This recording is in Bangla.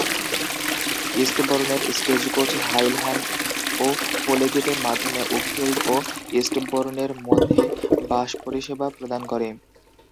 ইস্টবোর্নের স্টেজকোচ হাইলহ্যাম ও পোলেগেটের মাধ্যমে উকফিল্ড ও ইস্টবোর্নের মধ্যে বাস পরিষেবা প্রদান করে।